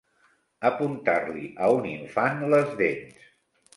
Apuntar-li a un infant les dents.